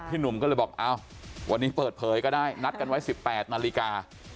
หนุ่มก็เลยบอกเอ้าวันนี้เปิดเผยก็ได้นัดกันไว้๑๘นาฬิกา